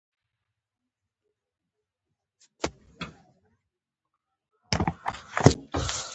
زه ښه راتلونکې لرم.